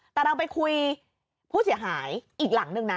แต่เราไปคุยผู้เสียหายอีกหลังนึงนะ